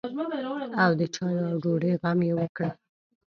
او د چايو او ډوډۍ غم يې وکړم.